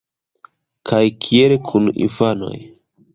Kaj kiel kun infanoj?